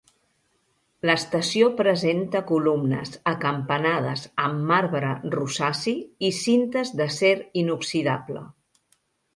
L'estació presenta columnes acampanades amb marbre rosaci i cintes d'acer inoxidable.